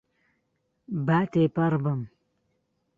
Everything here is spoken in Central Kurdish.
با تێپەڕبم.